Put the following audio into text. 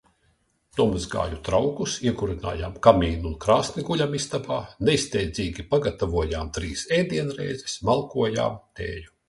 Nomazgāju traukus, iekurinājām kamīnu un krāsni guļamistabā, nesteidzīgi pagatavojām trīs ēdienreizes, malkojām tēju.